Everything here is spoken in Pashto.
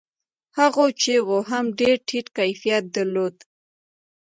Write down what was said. هغو چيغو هم ډېر ټيټ کيفيت درلود.